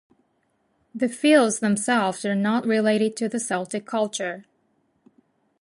The fields themselves are not related to the Celtic culture.